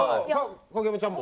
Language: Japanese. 影山ちゃんも？